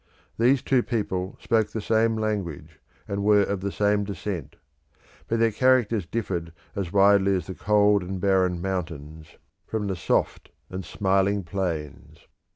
These two people spoke the same language, and were of the same descent; but their characters differed as widely as the cold and barren mountains from the soft and smiling plains.